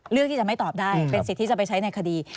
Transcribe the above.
เรื่องที่จะไม่ตอบได้เป็นสิทธิ์ที่จะไปใช้ในคดี